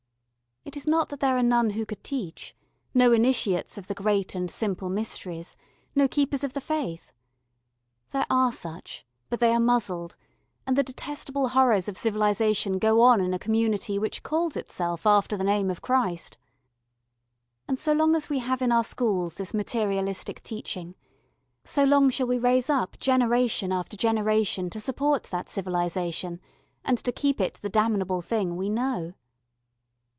It is not that there are none who could teach, no initiates of the great and simple mysteries, no keepers of the faith. There are such, but they are muzzled, and the detestable horrors of civilisation go on in a community which calls itself after the name of Christ. And so long as we have in our schools this materialistic teaching, so long shall we raise up generation after generation to support that civilisation and to keep it the damnable thing we know.